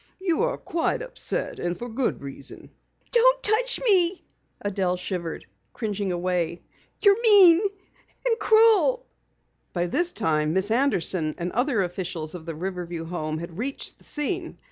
"You are quite upset, and for good reason." "Don't touch me," Adelle shivered, cringing away. "You're mean and cruel!" By this time, Miss Anderson and other officials of the Riverview Home had reached the scene.